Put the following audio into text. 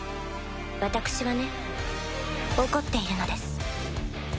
私はね怒っているのです。